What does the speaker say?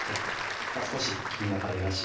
少し「キーマカレー」らしい